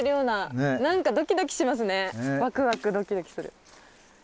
ワクワクドキドキする。